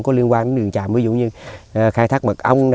có liên quan đến đường tràm ví dụ như khai thác mật ong